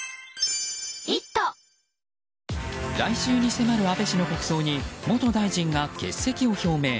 来週に迫る安倍氏の国葬に元大臣が欠席を表明。